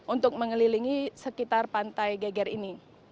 untuk mengelilingi sekitar pantai geger ini